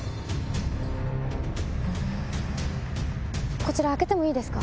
こちら開けてもいいですか？